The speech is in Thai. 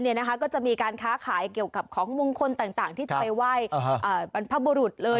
ก็จะมีการค้าขายเกี่ยวกับของมงคลต่างที่จะไปไหว้บรรพบุรุษเลย